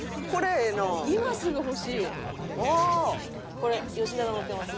これ吉田がのってます。